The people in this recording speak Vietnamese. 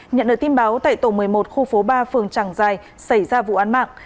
nhận được tin báo tại tổ một mươi một khu phố ba phường tràng giài xảy ra vụ án mạng